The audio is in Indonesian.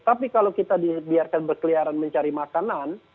tapi kalau kita dibiarkan berkeliaran mencari makanan